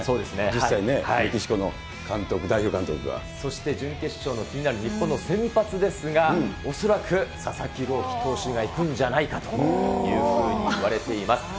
実際ね、メキシコの監督、そして準決勝の気になる日本の先発ですが、恐らく佐々木朗希投手がいくんじゃないかというふうにいわれています。